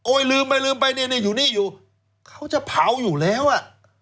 ลืมไปลืมไปเนี่ยอยู่นี่อยู่เขาจะเผาอยู่แล้วอ่ะ